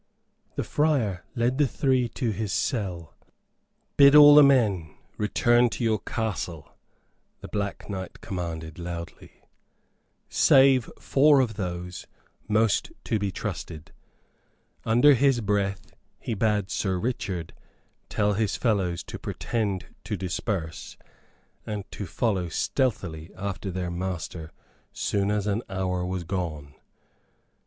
The friar led the three to his cell. "Bid all the men return to your castle," the Black Knight commanded, loudly, "save four of those most to be trusted." Under his breath he bade Sir Richard tell his fellows to pretend to disperse, and to follow stealthily after their master soon as an hour was gone.